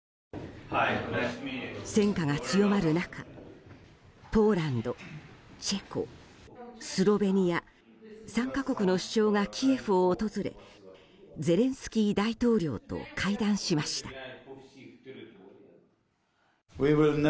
戦火が強まる中ポーランド、チェコ、スロベニア３か国の首相がキエフを訪れゼレンスキー大統領と会談しました。